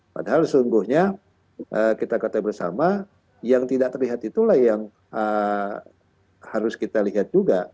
padahal sesungguhnya kita kata bersama yang tidak terlihat itulah yang harus kita lihat juga